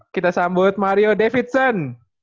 kita sambut mario davidson